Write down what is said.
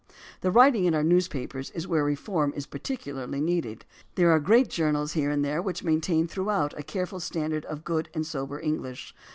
The writing in our newspapers is where reform is particularly needed. There are great journals here and there which maintain throughout a careful stand ard of good and sober EngHsh.